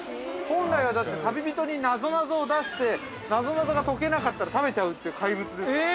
本来は旅人に、なぞなぞを出してなぞなぞが解けなかったら食べちゃうっていう怪物ですからね。